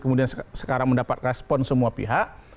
kemudian sekarang mendapat respon semua pihak